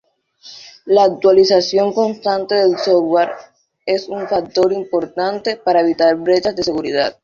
La actualización constante del software es un factor importante para evitar brechas de seguridad.